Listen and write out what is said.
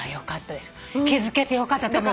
気付けてよかったと思う。